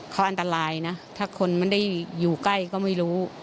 เขาอันตรายนะถ้าคนไม่ได้อยู่ใกล้ก็ไม่รู้